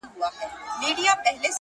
• موږ پوهیږو چي پر تاسي څه تیریږي -